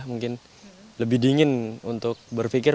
mungkin lebih dingin untuk berpikir